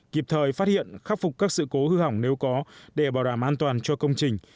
kịp thời phát hiện khắc phục các sự cố hư hỏng nếu có để bảo đảm an toàn cho công trình